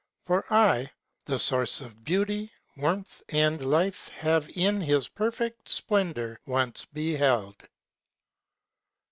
For I, the source of beauty, warmth and life Have in his perfect splendor once beheld."